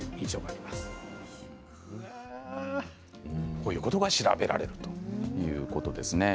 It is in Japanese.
こういうことが調べられるということなんです。